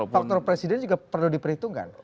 bukan faktor presiden diperhitungkan